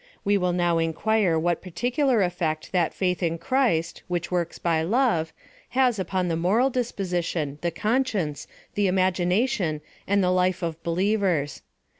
We will now inquire what particular effect that faith in Christ, which works by love, has upon the moral disposition, the conscience, the imagination, and the life of believers.